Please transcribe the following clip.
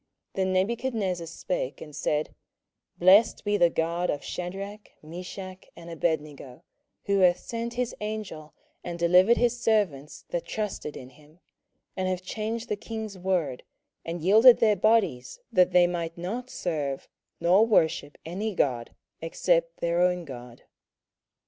27:003:028 Then Nebuchadnezzar spake, and said, Blessed be the God of Shadrach, Meshach, and Abednego, who hath sent his angel, and delivered his servants that trusted in him, and have changed the king's word, and yielded their bodies, that they might not serve nor worship any god, except their own God.